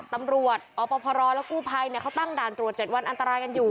ตำรวจอพรและกู้ภัยเขาตั้งด่านตรวจ๗วันอันตรายกันอยู่